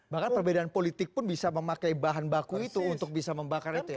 bahkan perbedaan politik pun bisa memakai bahan baku itu untuk bisa membakar itu ya